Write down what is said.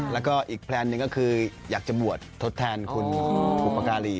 แล้วก็อีกแพลนหนึ่งก็คืออยากจะบวชทดแทนคุณบุปการี